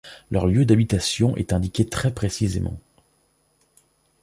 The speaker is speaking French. Leur lieu d'habitation est indiqué très précisément.